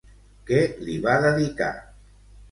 Què li va dedicar?